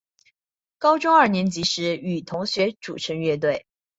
高中二年级时与同学组成乐队。